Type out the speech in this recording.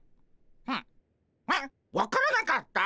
分からなかった？